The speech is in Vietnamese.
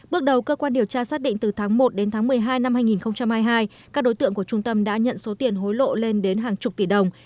bước đầu cơ quan điều tra xác định từ tháng một đến tháng một mươi hai năm hai nghìn hai mươi hai các đối tượng của trung tâm đã nhận số tiền hối lộ lên đến hàng chục tỷ đồng